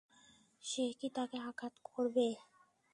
সে কি তাকে আঘাত করবে?